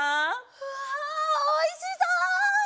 うわおいしそう！